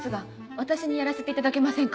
私にやらせていただけませんか？